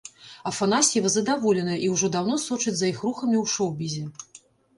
Афанасьева задаволеная, і ўжо даўно сочыць за іх рухамі ў шоўбізе.